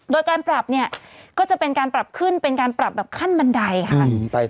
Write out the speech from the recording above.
โดยการปรับเนี่ยก็จะเป็นการปรับขึ้นเป็นการปรับแบบขั้นบันไดค่ะ